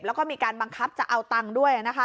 แล้วก็มีการบังคับจะเอาตังค์ด้วย